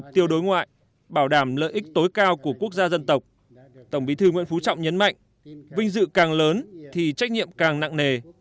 tổng bí thư nguyễn phú trọng nhấn mạnh vinh dự càng lớn thì trách nhiệm càng nặng nề